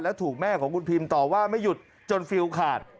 และถูกแม่ของคุณพิมต่อว่าไม่หยุดจนฟิลขาด